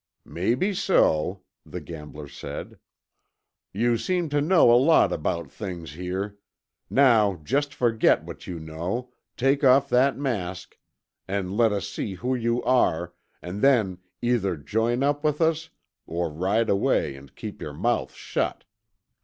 "Maybe so," the gambler said. "You seem to know a lot about things here. Now just forget what you know, take off that mask, and let us see who you are, and then either join up with us or ride away and keep your mouth shut."